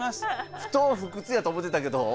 不撓不屈やと思てたけど。